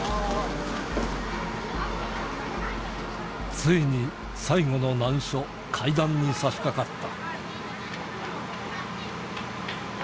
ついに最後の難所、階段にさしかかった。